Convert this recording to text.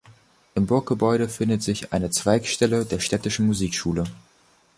Im Burggebäude befindet sich eine Zweigstelle der städtischen Musikschule.